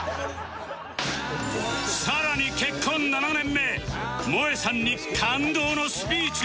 更に結婚７年目もえさんに感動のスピーチ